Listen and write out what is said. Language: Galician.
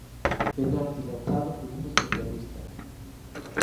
Penalti lanzado por un especialista.